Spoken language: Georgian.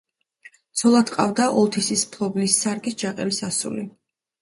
ცოლად ჰყავდა ოლთისის მფლობელის სარგის ჯაყელის ასული.